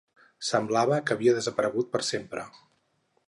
Semblava que havia desaparegut per sempre.